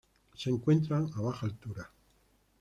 Se encuentran a baja altura.